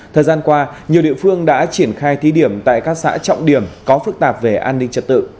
thời gian qua nhiều địa phương đã triển khai thí điểm tại các xã trọng điểm có phức tạp về an ninh trật tự